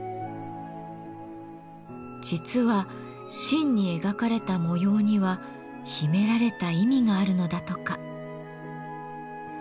実は「真」に描かれた模様には秘められた意味があるのだとか。